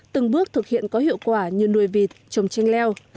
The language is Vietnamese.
từng bước thực hiện có hiệu quả như nuôi vịt trồng chanh leo